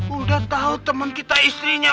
udah tau temen kita istrinya